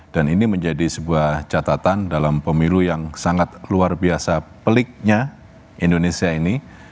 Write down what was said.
dan ini menjadi sebuah catatan dalam pemilu yang sangat luar biasa peliknya indonesia ini